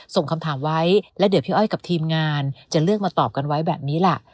ส่งคำถามไว้แล้วเดี๋ยวพี่อ้อยกับทีมงานจะเลือกมาตอบกันไว้แบบนี้ล่ะ